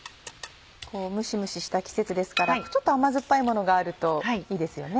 こうムシムシした季節ですからちょっと甘酸っぱいものがあるといいですよね。